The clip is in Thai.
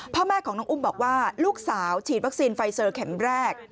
พ่อแม่ของน้องอุ้มบอกว่าลูกสาวฉีดวัคซีนไฟเซอร์เข็มแรก